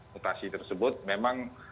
mutasi tersebut memang